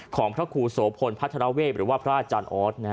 ของพระครูโสพลพัฒนาเวศหรือว่าพระอาจารย์ออส